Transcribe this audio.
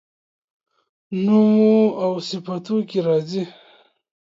نومواوصفتوکي راځي